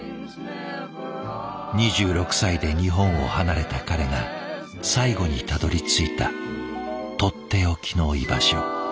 ２６歳で日本を離れた彼が最後にたどりついたとっておきの居場所。